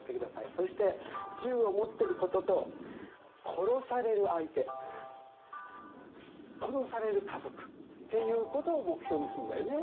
そして銃を持ってることと殺される相手殺される家族っていうことを目標にするんだよね